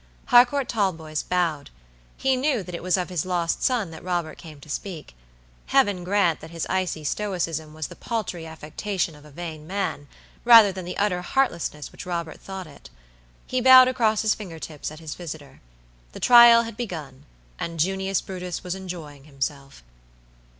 Harcourt Talboys bowed. He knew that it was of his lost son that Robert came to speak. Heaven grant that his icy stoicism was the paltry affectation of a vain man, rather than the utter heartlessness which Robert thought it. He bowed across his finger tips at his visitor. The trial had begun, and Junius Brutus was enjoying himself.